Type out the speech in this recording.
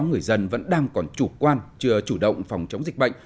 người dân vẫn đang còn chủ quan chưa chủ động phòng chống dịch bệnh